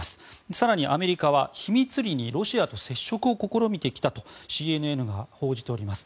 更にアメリカは秘密裏にロシアと接触を試みてきたとＣＮＮが報じております。